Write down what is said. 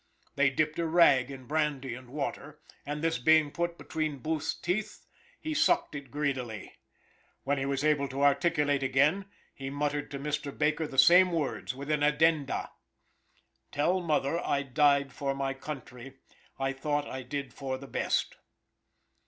They dipped a rag in brandy and water, and this being put between Booth's teeth he sucked it greedily. When he was able to articulate again, he muttered to Mr. Baker the same words, with an addenda. "Tell mother I died for my country. I thought I did for the best."